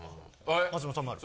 ・松本さんもある？